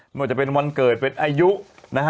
ไม่ว่าจะเป็นวันเกิดเป็นอายุนะฮะ